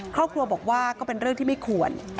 ครอบครัวบอกว่าก็เป็นเรื่องที่ไม่ควร